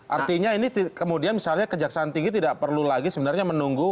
artinya ini kemudian misalnya kejaksaan tinggi tidak perlu lagi sebenarnya menunggu